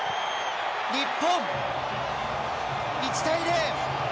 日本、１対０。